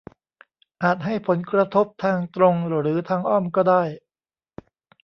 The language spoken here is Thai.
อาจให้ผลกระทบทางตรงหรือทางอ้อมก็ได้